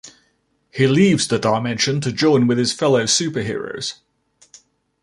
He leaves the dimension to join with his fellow superheroes.